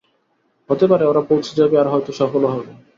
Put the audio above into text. হতে পারে, ওরা পৌঁছে যাবে আর হয়ত সফলও হবে।